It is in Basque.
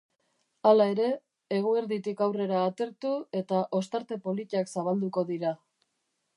Hala ere, eguerditik aurrera atertu eta ostarte politak zabalduko dira.